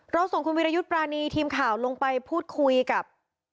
ส่งคุณวิรยุทธ์ปรานีทีมข่าวลงไปพูดคุยกับ